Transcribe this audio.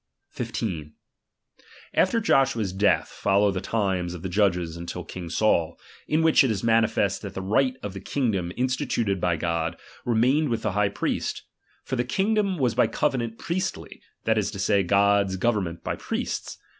"^d"^ii.e" ^^'^^^^ Joshua's death follow the times of the high prie.t,tfflii! Judges until king Saul ; in which it is manifest " that the right of the kingdom instituted by God, remained with the Jiigh priest. For the king dom was by covenant priestly, that is to say, God's government by priests.